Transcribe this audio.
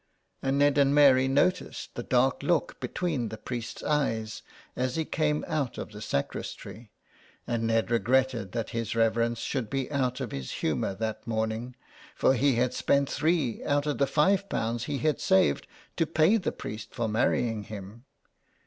And Ned and Mary noticed the dark look between the priest's eyes as he came out of the sacristy, and Ned recrretted that his reverence should be out of his humour that morning, for he had spent three out of the five pounds he had saved to pay the priest for marrying him.